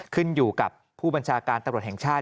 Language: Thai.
ขึ้นอยู่กับผู้บัญชาการตำรวจแห่งชาติ